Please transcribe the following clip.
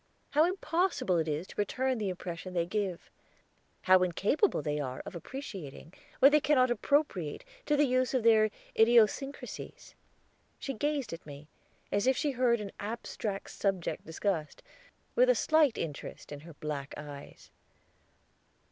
How impossible it is to return the impression they give. How incapable they are of appreciating what they cannot appropriate to the use of their idiosyncrasies." She gazed at me, as if she heard an abstract subject discussed, with a slight interest in her black eyes.